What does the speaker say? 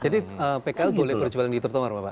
jadi pkl boleh berjualan di iturtomar bapak